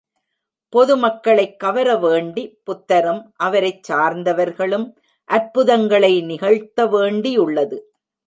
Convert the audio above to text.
பொதுமக்களைக் கவரவேண்டி, புத்தரும் அவரைச் சார்ந்தவர்களும் அற்புதங்களை நிகழ்த்தவேண்டியுள்ளது.